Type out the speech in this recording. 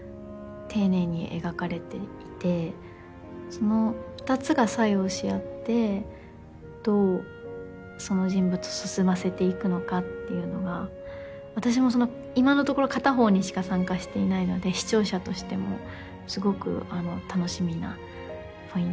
その２つが作用し合ってどうその人物を進ませていくのかっていうのが私も今のところ片方にしか参加していないので視聴者としてもすごく楽しみなポイントですかね。